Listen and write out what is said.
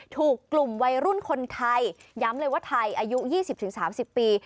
ถูกกลุ่มวัยรุ่นคนไทยย้ำเลยว่าไทยอายุ๒๐๓๐ปี